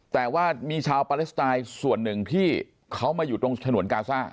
แต่ว่ามีชาวปาเลสไตน์ส่วนหนึ่งที่เขามาอยู่ตรงฉนวนกาซ่า